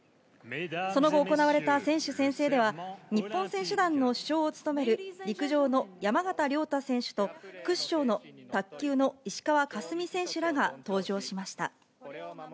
その後行われた選手宣誓では、日本選手団の主将を務める、陸上の山縣亮太選手と、副主将の卓球の石川佳純選手らが登場しました。